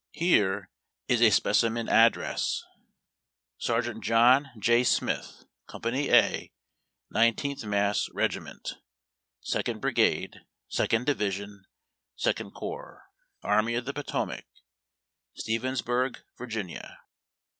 Here is a specimen address :— Sergeiuit John J, Smith, ComjxDuj A., 19th Mass. Regiment, second bkigade, second division, second corps, akmv of the potomac, Stevensbukg, Va.